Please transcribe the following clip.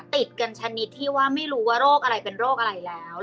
ติดกันชนิดที่ว่าไม่รู้ว่าโรคอะไรเป็นโรคอะไรแล้ว